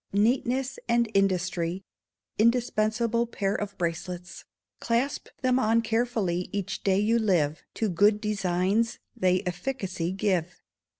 Neatness and Industry Indispensable Pair of Bracelets. Clasp them on carefully each day you live, To good designs they efficacy give.